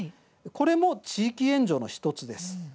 これも地域援助の１つです。